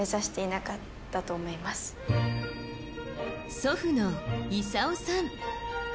祖父の勲さん。